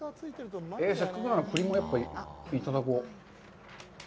せっかくなら、栗もいただこう。